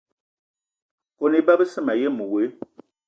Kone iba besse mayen woe.